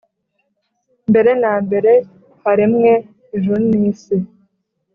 mbere na mbere haremwe ijuru n’isi.